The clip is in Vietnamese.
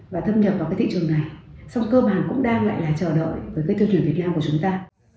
và thâm nhập vào cái thị trường này song cơ bản cũng đang lại là chờ đợi với cái tiêu chuẩn việt nam của chúng ta